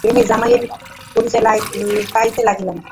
ক্রমেই জামাইয়ের পরিচয় পাইতে লাগিলাম।